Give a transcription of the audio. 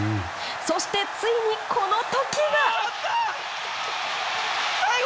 そして、ついにこの時が。